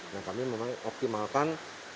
nah kami memang optimalkan